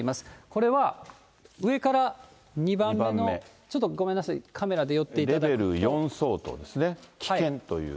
これは上から２番目の、ちょっとごめんなさい、カメラで寄っていレベル４相当ですね、危険という。